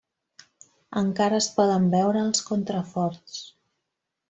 Encara es poden veure els contraforts.